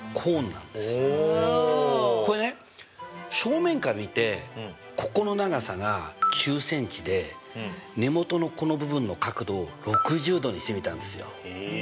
正面から見てここの長さが９ｃｍで根元のこの部分の角度を６０°にしてみたんですよ。